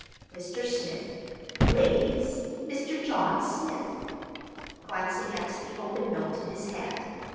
Mr. Smith, ladies—Mr. John Smith." (Glancing at the open note in his hand.)